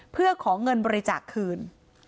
เพื่อขอเงินบริจาคคืน